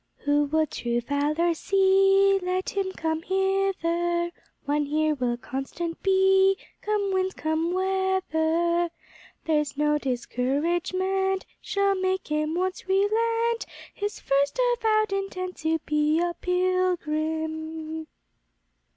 "Who would true valor see, Let him come hither; One here will constant be, Come wind, come weather; There's no discouragement Shall make him once relent His first avowed intent To be a pilgrim.